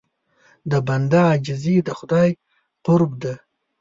د بنده عاجزي د خدای قرب ده.